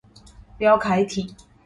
標楷體